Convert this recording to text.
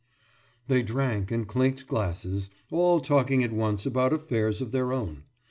« They drank and clinked glasses, all talking at once about affairs of their own.